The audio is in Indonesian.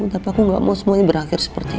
tapi aku gak mau semuanya berakhir seperti ini